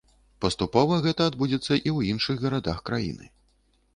Паступова гэта адбудзецца і ў іншых гарадах краіны.